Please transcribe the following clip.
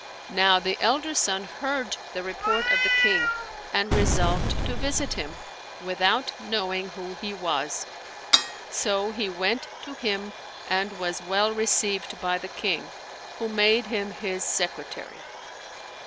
Now the elder son heard the report of the King and resolved to visit him, without knowing who he was; so he went to him and was well received by the King, who made him his secretary.